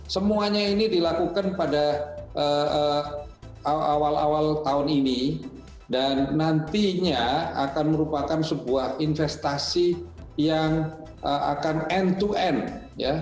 semuanya ini dilakukan pada awal awal tahun ini dan nantinya akan merupakan sebuah investasi yang akan end to end ya